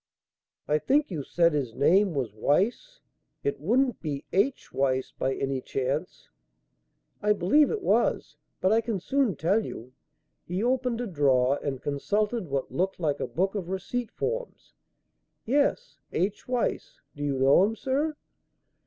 "I think you said his name was Weiss. It wouldn't be H. Weiss by any chance?" "I believe it was. But I can soon tell you." He opened a drawer and consulted what looked like a book of receipt forms. "Yes; H Weiss. Do you know him, sir?"